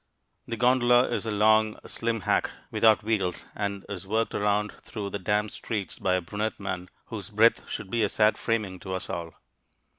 The gondola is a long, slim hack without wheels and is worked around through the damp streets by a brunette man whose breath should be a sad framing to us all.